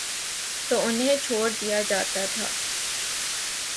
تو انہیں چھوڑ دیا جاتا تھا۔